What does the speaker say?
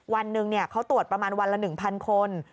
วันหนึ่งเขาตรวจประมาณวันละ๑๐๐คน